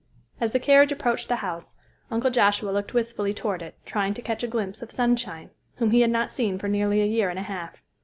As the carriage approached the house Uncle Joshua looked wistfully toward it, trying to catch a glimpse of "Sunshine," whom he had not seen for nearly a year and a half.